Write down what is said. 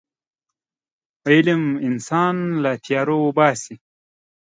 علم انسان له تیارو وباسي.